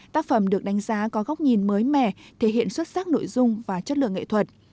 tác phẩm được đánh giá có góc nhìn mới mẻ thể hiện xuất sắc nội dung và chất lượng nghệ thuật